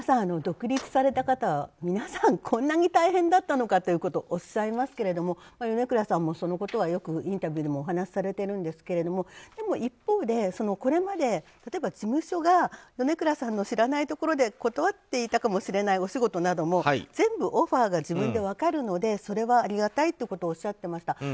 独立された方は皆さんこんなに大変だったのかとおっしゃいますけれども米倉さんも、そのことはよくインタビューでもお話しされているんですがでも、一方でこれまで事務所が米倉さんの知らないところで断っていたかもしれないお仕事とかも全部オファーが自分で分かるのでそれはありがたいということをおっしゃっていました。